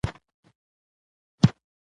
باسواده ښځې په ټاکنو کې برخه اخلي.